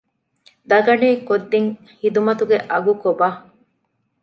ދަގަނޑޭ ކޮށްދިން ހިދުމަތުގެ އަގު ކޮބާ؟